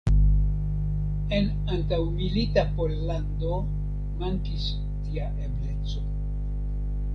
En antaŭmilita Pollando mankis tia ebleco.